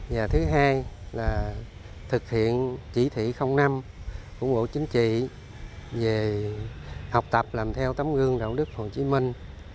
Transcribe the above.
và thứ hai là thực hiện chỉ thị năm của bộ chính trị về học tập làm theo tấm gương đạo đức hồ chí minh